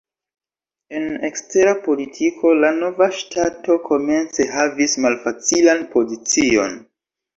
En ekstera politiko la nova ŝtato komence havis malfacilan pozicion.